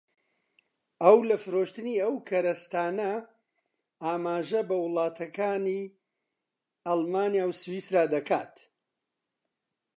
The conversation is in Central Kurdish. ئەو لە فرۆشتنی ئەو کەرستانە ئاماژە بە وڵاتەکانی ئەڵمانیا و سویسڕا دەکات